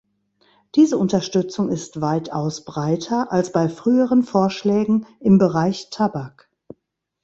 Diese Unterstützung ist weitaus breiter als bei früheren Vorschlägen im Bereich Tabak.